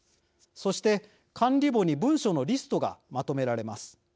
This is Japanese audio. そして、管理簿に文書のリストがまとめられます。